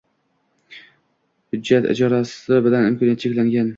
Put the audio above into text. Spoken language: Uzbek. Hujjat ijrosi bilan imkoniyati cheklangan